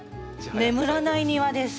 眠らないニワです。